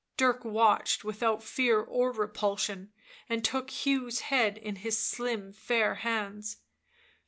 Dirk watched without fear or repulsion, and took Hugh's head in his slim fair hands.